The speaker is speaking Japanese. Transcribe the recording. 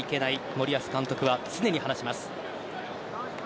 森保監督は常に話します。